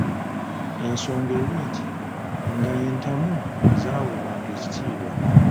Ensonga eri nti nga entamu zaaweebwanga ekitiibwa.